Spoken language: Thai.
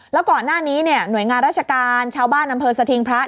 แล้วก่อนหน้านี้เนี่ยหน่วยงานราชการชาวบ้านอำเภอสถิงพระ